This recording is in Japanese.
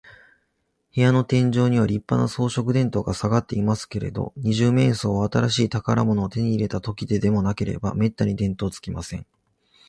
部屋の天井には、りっぱな装飾電燈がさがっていますけれど、二十面相は、新しい宝物を手に入れたときででもなければ、めったに電燈をつけません。